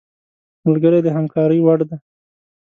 ملګری د همکارۍ وړ دی